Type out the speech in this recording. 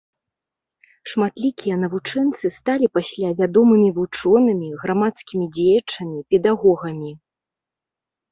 Шматлікія навучэнцы сталі пасля вядомымі вучонымі, грамадскімі дзеячамі, педагогамі.